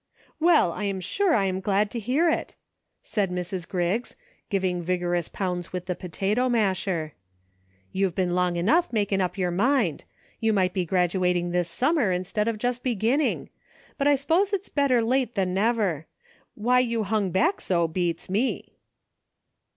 " Well, I'm sure I'm glad to hear it," said Mrs. Griggs, giving vigorous pounds with the potato masher. " You've been long *inough makin* up your mind ; you might be graduating this summer instead of just beginning; but I s'pose it's better late than never. Why you hung back so, beats me."